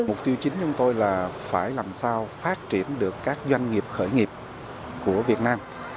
mục tiêu chính chúng tôi là phải làm sao phát triển được các doanh nghiệp khởi nghiệp của việt nam